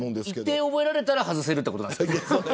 言って覚えられたら外せるってことですか。